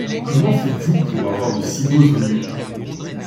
Comment faites-vous pour avoir de si beaux oignons?